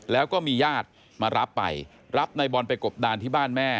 แล้วก็มีญาติมารับไปรับนายบอลไปกบดานที่บ้านแม่